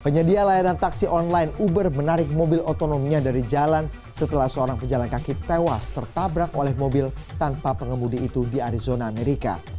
penyedia layanan taksi online uber menarik mobil otonomnya dari jalan setelah seorang pejalan kaki tewas tertabrak oleh mobil tanpa pengemudi itu di arizona amerika